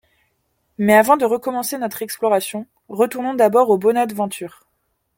Mais, avant de recommencer notre exploration, retournons d’abord au Bonadventure